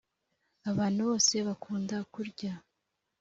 abantu bose bakunda kurya.